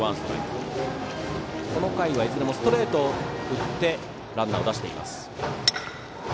この回はいずれもストレートを打ってランナーを出しています。